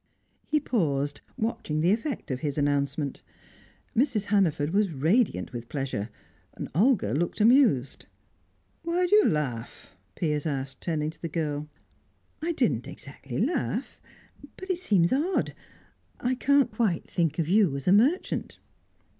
He paused, watching the effect of his announcement. Mrs. Hannaford was radiant with pleasure; Olga looked amused. "Why do you laugh?" Piers asked, turning to the girl. "I didn't exactly laugh. But it seems odd. I can't quite think of you as a merchant."